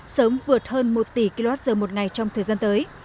sớm vượt hơn một tỷ kwh một ngày trong thời gian tới